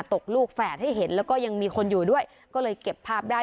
ตกลูกแฝดให้เห็นแล้วก็ยังมีคนอยู่ด้วยก็เลยเก็บภาพได้